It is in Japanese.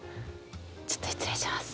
ちょっと失礼します